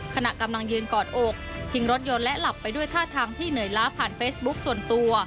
ขณะกำลังยืนกอดอกทิ้งรถยนต์และหลับไปด้วยท่าทางที่เหนื่อยล้าผ่านเฟซบุ๊คส่วนตัว